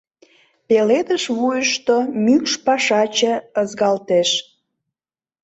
Пеледыш вуйышто мӱкш пашаче ызгалтеш.